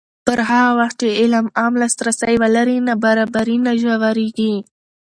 پر هغه وخت چې علم عام لاسرسی ولري، نابرابري نه ژورېږي.